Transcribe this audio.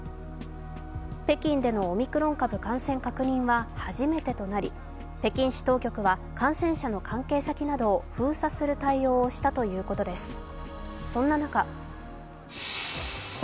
北京でのオミクロン株感染確認は初めてとなり、北京市当局は感染者の関係者の関係先などを封鎖する対応をしたということです。